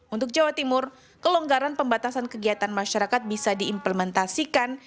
untuk jawa timur kelonggaran pembatasan kegiatan masyarakat bisa diimplementasikan